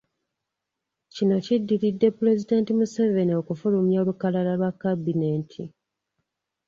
Kino kiddiridde Pulezidenti Museveni okufulumya olukalala lwa kabineeti.